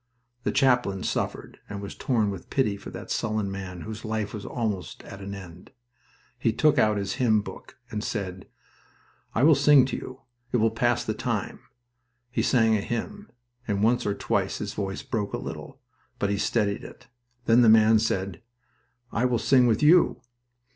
The chaplain suffered, and was torn with pity for that sullen man whose life was almost at an end. He took out his hymn book and said: "I will sing to you. It will pass the time." He sang a hymn, and once or twice his voice broke a little, but he steadied it. Then the man said, "I will sing with you."